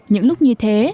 những lúc như thế